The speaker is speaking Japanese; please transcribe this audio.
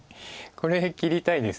これ切りたいです。